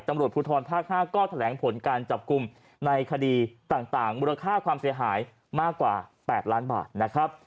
ตำรวจภูทรภาค๕ก็แถลงผลการจับกลุ่มในคดีต่างมูลค่าความเสียหายมากกว่า๘ล้านบาทนะครับ